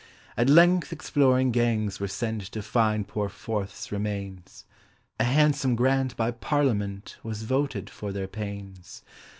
At length exploring gangs were sent To find poor FORTH'S remains A handsome grant by Parliament Was voted for their pains.